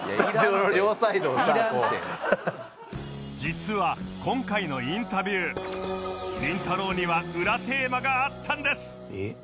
実は今回のインタビューりんたろー。には裏テーマがあったんです